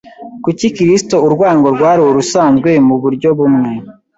Kuri Kristo urwango rwari urusanzwe mu buryo bumwe;